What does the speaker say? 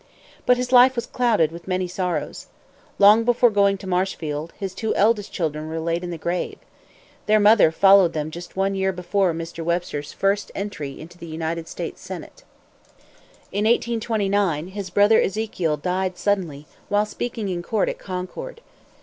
But his life was clouded with many sorrows. Long before going to Marshfield, his two eldest children were laid in the grave. Their mother followed them just one year before Mr. Webster's first entry into the United States senate. In 1829, his brother Ezekiel died suddenly while speaking in court at Concord.